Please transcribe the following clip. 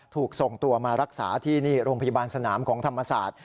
ถูกส่งตัวมารักษาที่นี่โรงพยาบาลสนามของธรรมศาสตร์